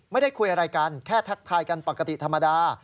ไม่ได้คุยอะไรกันแค่ทักทายกันปกติธรรมดา